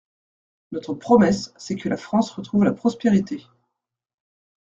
Notre promesse, c’est que la France retrouve la prospérité.